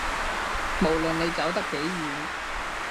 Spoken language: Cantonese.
無論你走得幾遠